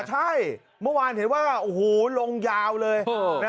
ใช่เมื่อวานเห็นว่าโอ้โหลงยาวเลย